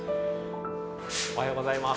おはようございます。